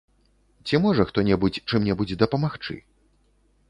Ці можа хто небудзь чым-небудзь дапамагчы?